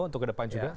untuk ke depan juga